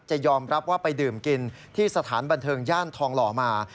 ยอมรับว่าไปดื่มกินที่สถานบันเทิงย่านทองหล่อมา